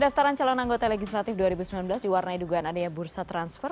daftaran calon anggota legislatif dua ribu sembilan belas diwarnai dugaan adanya bursa transfer